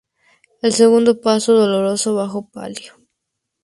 El segundo paso Dolorosa bajo Palio.